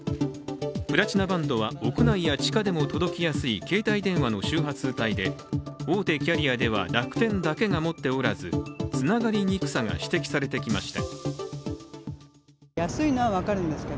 プラチナバンドは屋内や地下でも届きやすい携帯電話の周波数帯で大手キャリアでは楽天だけが持っておらずつながりにくさが指摘されてきました。